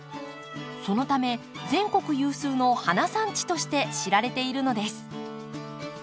そのため全国有数の花産地として知られているのです。